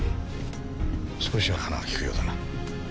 少しは鼻がきくようだな。